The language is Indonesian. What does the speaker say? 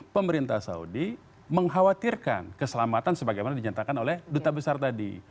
pemerintah saudi mengkhawatirkan keselamatan sebagaimana dinyatakan oleh duta besar tadi